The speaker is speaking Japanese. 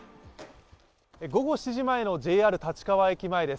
午後７時前のＪＲ立川駅前です